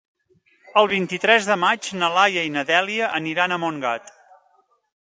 El vint-i-tres de maig na Laia i na Dèlia aniran a Montgat.